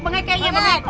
pengek iya pengek